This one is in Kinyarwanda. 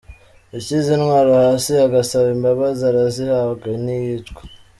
Ushyize intwaro hasi, agasaba imbabazi arazihabwa, ntiyicwa.